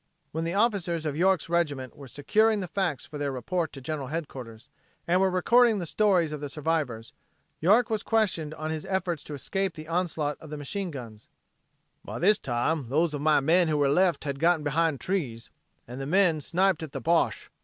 When the officers of York's regiment were securing the facts for their report to General Headquarters and were recording the stories of the survivors, York was questioned on his efforts to escape the onslaught of the machine guns: "By this time, those of my men who were left had gotten behind trees, and the men sniped at the Boche.